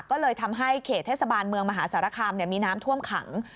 ก็เลยทำให้เขตเทศบาลเมืองมหาสารคามมีน้ำท่วมขัง